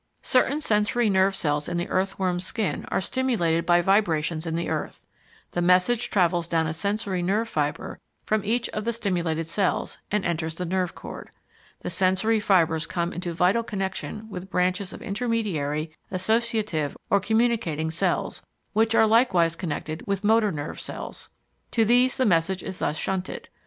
Certain sensory nerve cells in the earthworm's skin are stimulated by vibrations in the earth; the message travels down a sensory nerve fibre from each of the stimulated cells and enters the nerve cord. The sensory fibres come into vital connection with branches of intermediary, associative, or communicating cells, which are likewise connected with motor nerve cells. To these the message is thus shunted.